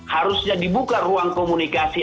harusnya dibuka ruang komunikasi